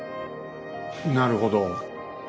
なるほど。